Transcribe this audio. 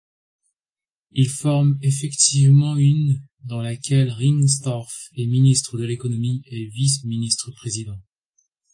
Il forme effectivement une dans laquelle Ringstorff est ministre de l'Économie et vice-ministre-président.